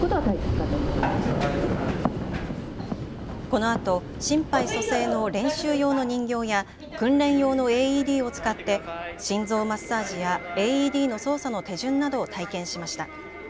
このあと心肺蘇生の練習用の人形や訓練用のＡＥＤを使って心臓マッサージやＡＥＤの操作の手順などを体験しました。